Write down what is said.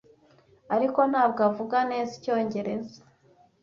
ariko ntabwo avuga neza icyongereza.